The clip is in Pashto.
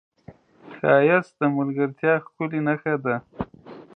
ښایست د ملګرتیا ښکلې نښه ده